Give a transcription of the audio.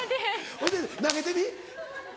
ほいで投げてみ。